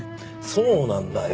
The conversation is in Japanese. そうなんだよ。